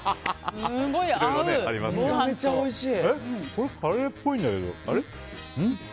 これ、カレーっぽいんだけどあれ？